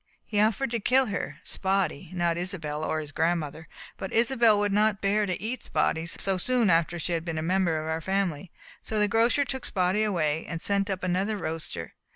He offered to kill her Spotty, not Isobel or his grandmother but Isobel could not bear to eat Spotty so soon after she had been a member of our family, so the grocer took Spotty away and sent up another roaster.